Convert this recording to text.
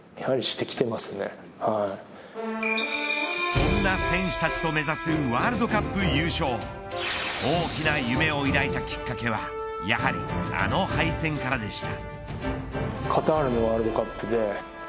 そんな選手たちと目指すワールドカップ優勝大きな夢を抱いたきっかけはやはりあの敗戦からでした。